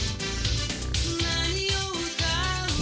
何を歌う？